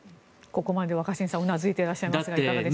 ここまで若新さんうなずいていらっしゃいますがいかがでしょうか。